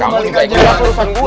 kamu juga ingat gue